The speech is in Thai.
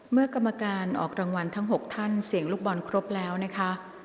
เมื่อกรรมการออกรางวัลทั้ง๖ท่านเสียงลูกบอลครบแล้วนะคะ